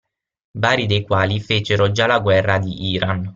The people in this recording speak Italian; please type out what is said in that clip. Vari dei quali fecero già la guerra di Iran.